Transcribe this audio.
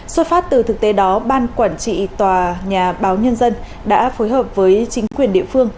xuất phát từ thực tế đó ban quản trị tòa nhà báo nhân dân đã phối hợp với chính quyền địa phương